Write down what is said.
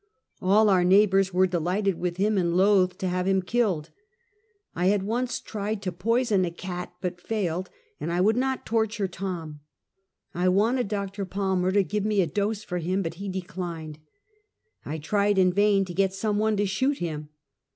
All our neighbors were delighted with him and loath to have him killed, I had once tried to poison a cat but failed, and I would not torture Tom. I wanted Dr. Palmer to give me a dose for him, but he declined. I tried in vain to get some one to shoot him.